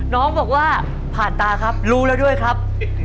น้องบอกว่าผ่านตาครับรู้แล้วด้วยครับ